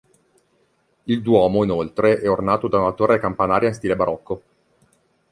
Il duomo, inoltre, è ornato da una torre campanaria in stile barocco.